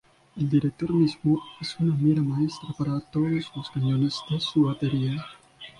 El director mismo es una mira maestra para todos los cañones de su batería.